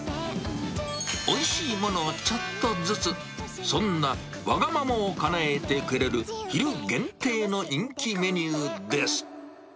おいしいものをちょっとずつ、そんなわがままをかなえてくれる、昼限定の人気メニューです。